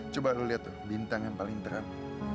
coba lu lihat tuh bintang yang paling terang